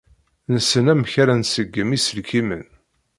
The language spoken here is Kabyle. Nessen amek ara nṣeggem iselkimen.